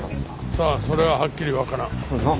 さあそれははっきりわからん。